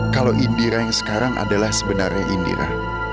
kalau indira yang sekarang adalah sebenarnya indira